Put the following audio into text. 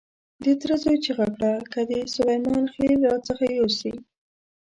د تره زوی چیغه کړه چې که دې سلیمان خېل را څخه يوسي.